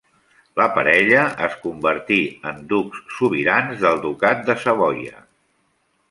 La parella es convertí en ducs sobirans del Ducat de Savoia.